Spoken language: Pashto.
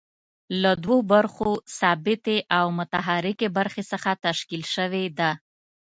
له دوو برخو ثابتې او متحرکې برخې څخه تشکیل شوې ده.